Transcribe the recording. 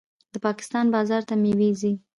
د پاکستان بازار ته میوې ځي.